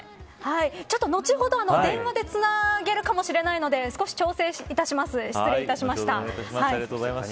後ほど、電話でつなげるかもしれないので少し調整します。